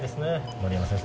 森山先生。